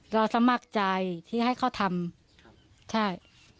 สมัครใจที่ให้เขาทำใช่